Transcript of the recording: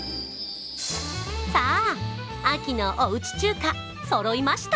さあ、秋のおうち中華、そろいました。